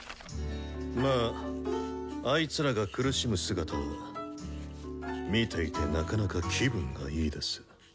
まぁあいつらが苦しむ姿は見えていてなかなか気分がいいです。